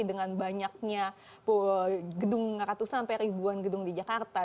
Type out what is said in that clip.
dengan banyaknya gedung ratusan sampai ribuan gedung di jakarta